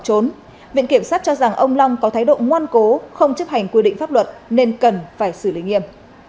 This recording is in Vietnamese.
đối với ông khuất duy vĩnh long viện kiểm soát cho rằng ông long có thái độ ngoan cố không chấp hành quy định pháp luật nên cần phải xử lý nghiêm